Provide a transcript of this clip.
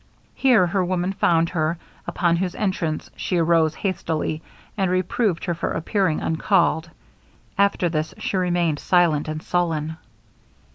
Here her woman found her, upon whose entrance she arose hastily, and reproved her for appearing uncalled. After this she remained silent and sullen.